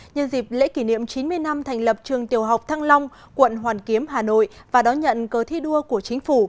nhân dịp lễ kỷ niệm chín mươi năm thành lập trường tiểu học thăng long quận hoàn kiếm hà nội và đón nhận cơ thi đua của chính phủ